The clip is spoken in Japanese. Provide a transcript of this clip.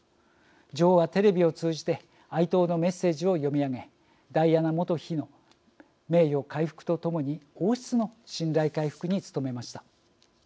女王はテレビを通じて哀悼のメッセージを読み上げダイアナ元妃の名誉回復とともに王室の信頼回復に努めました。